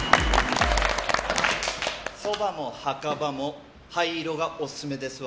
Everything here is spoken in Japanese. そばも墓場も灰色がおすすめですわ。